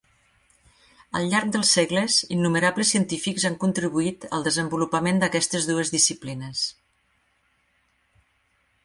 Al llarg dels segles, innumerables científics han contribuït al desenvolupament d'aquestes dues disciplines.